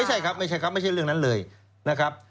ไม่ใช่ครับไม่ใช่ครับไม่ใช่เรื่องนั้นเลยนะครับ